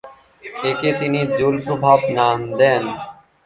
একে তিনি জুল প্রভাব নাম দেন।